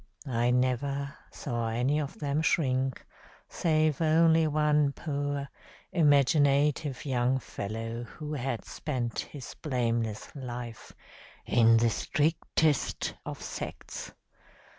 I never saw any of them shrink, save only one poor, imaginative young fellow, who had spent his blameless life in the strictest of sects.